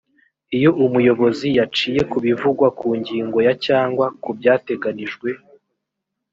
iyo umuyobozi yaciye ku bivugwa ku ngingo ya cyangwa ku byateganijwe